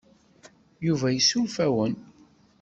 Yuba yessuref-awen.